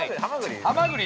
ハマグリ。